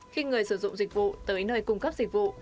khi người sử dụng dịch vụ tới nơi cung cấp dịch vụ